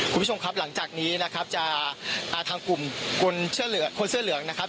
คุณผู้ชมครับหลังจากนี้นะครับอาทางกลุ่มคนเสื้อเหลืองนะครับ